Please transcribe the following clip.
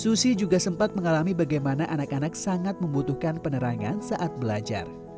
susi juga sempat mengalami bagaimana anak anak sangat membutuhkan penerangan saat belajar